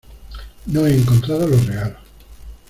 no he encontrado los regalos.